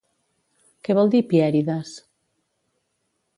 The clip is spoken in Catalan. Què vol dir Pièrides?